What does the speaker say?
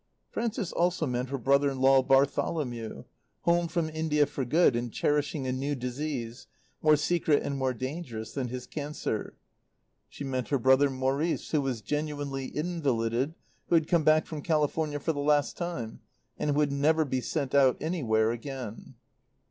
Frances also meant her brother in law, Bartholomew, home from India for good, and cherishing a new disease, more secret and more dangerous than his cancer; she meant her brother Maurice, who was genuinely invalided, who had come back from California for the last time and would never be sent out anywhere again.